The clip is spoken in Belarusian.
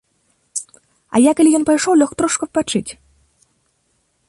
А я, калі ён пайшоў, лёг трошку адпачыць.